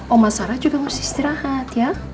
oma sarah juga mesti istirahat ya